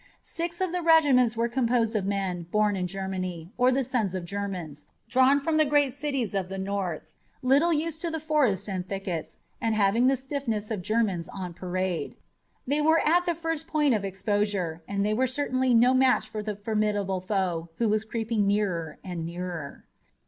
Six of the regiments were composed of men born in Germany, or the sons of Germans, drawn from the great cities of the North, little used to the forests and thickets and having the stiffness of Germans on parade. They were at the first point of exposure, and they were certainly no match for the formidable foe who was creeping nearer and nearer.